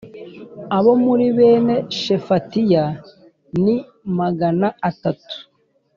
Abo muri bene Shefatiya ni magana atatu